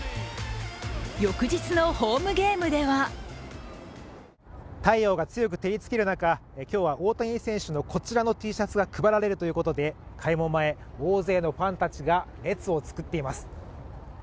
翌日のホームゲームでは太陽が強く照りつける中、今日は大谷選手のこちらのＴシャツが配られるということで開門前、大勢のファンたちが列を作っています。